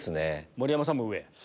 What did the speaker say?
盛山さんも上？